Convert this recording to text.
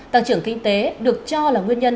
tăng trưởng kinh tế được cho là nguyên nhân